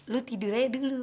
lu tidurnya dulu